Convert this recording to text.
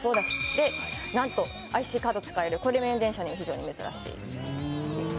「でなんとＩＣカード使える」「路面電車には非常に珍しいです」